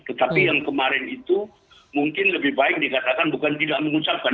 tetapi yang kemarin itu mungkin lebih baik dikatakan bukan tidak mengucapkan